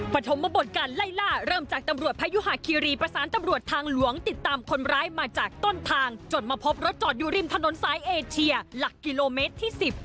ปฐมบทการไล่ล่าเริ่มจากตำรวจพยุหาคีรีประสานตำรวจทางหลวงติดตามคนร้ายมาจากต้นทางจนมาพบรถจอดอยู่ริมถนนสายเอเชียหลักกิโลเมตรที่๑๐